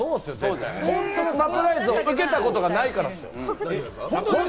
本当のサプライズを受けたことがないからでしょ？